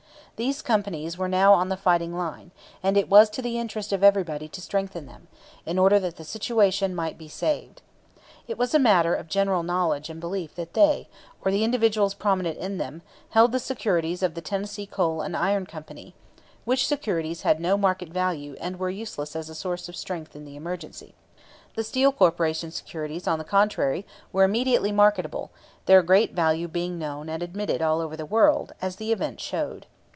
These companies were now on the fighting line, and it was to the interest of everybody to strengthen them, in order that the situation might be saved. It was a matter of general knowledge and belief that they, or the individuals prominent in them, held the securities of the Tennessee Coal and Iron Company, which securities had no market value, and were useless as a source of strength in the emergency. The Steel Corporation securities, on the contrary, were immediately marketable, their great value being known and admitted all over the world as the event showed.